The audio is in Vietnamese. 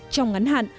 trong ngắn hạn